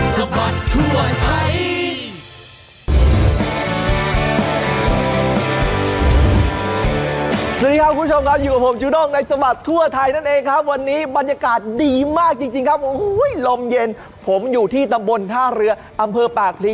สวัสดีครับคุณผู้ชมครับอยู่กับผมจูด้งในสมัครทั่วไทยนั่นเองครับวันนี้บรรยากาศดีมากจริงครับโอ้โหลมเย็นผมอยู่ที่ตำบลท่าเรืออำเภอปากพลี